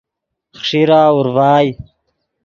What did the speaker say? خیݰیرہ اورڤائے